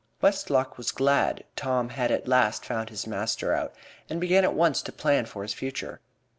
Westlock was glad Tom had at last found his master out, and began at once to plan for his future.